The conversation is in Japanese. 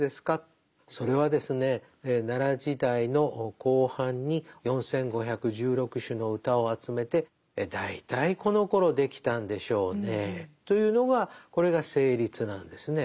それはですね奈良時代の後半に４，５１６首の歌を集めて大体このころ出来たんでしょうねというのがこれが「成立」なんですね。